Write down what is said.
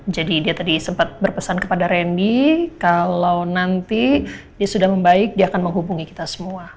dia tadi sempat berpesan kepada randy kalau nanti dia sudah membaik dia akan menghubungi kita semua